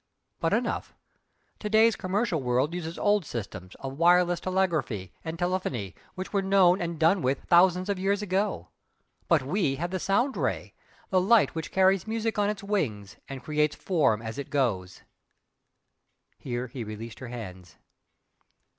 but enough! To day's commercial world uses old systems of wireless telegraphy and telephony which were known and done with thousands of years ago but 'we' have the sound ray the light which carries music on its wings and creates form as it goes." Here he released her hands.